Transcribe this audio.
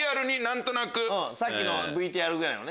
さっきのＶＴＲぐらいの。